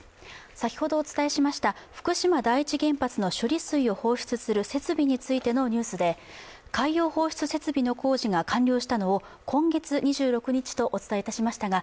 先ほどお伝えしました福島第一原発の処理水を放出する設備についてのニュースで、海洋放出設備の工事が完了したのを、今月２６日とお伝えしましたが、